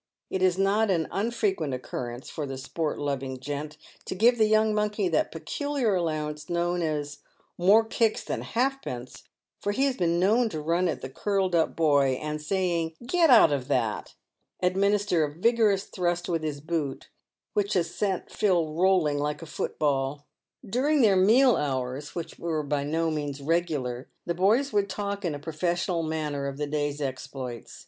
It is not an unfrequent occurrence for the sport loving gent to give the young monkey that peculiar allowance known as " more kicks than halfpence," for he has been known to run at the curled up boy, and saying " Get out of that," administer a vigorous thrust with his boot, which has sent Phil rolling like a football. During their meal hours, which were by no means regular, the boys would talk in a professional manner of the day's exploits.